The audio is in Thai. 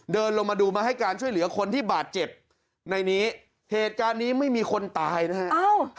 เดินลงมาดูมาให้การช่วยเหลือคนที่บาดเจ็บในนี้เหตุการณ์นี้ไม่มีคนตายนะฮะ